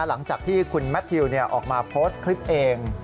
หลังจากที่คุณแมททิวออกมาโพสต์คลิปเอง